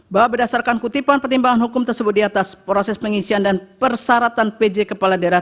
bahwa berdasarkan kutipan pertimbangan hukum tersebut di atas proses pengisian dan persyaratan pj kepala daerah